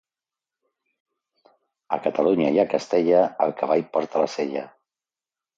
A Catalunya i a Castella, el cavall porta la sella.